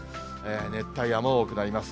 熱帯夜も多くなります。